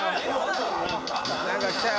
何か来たよ。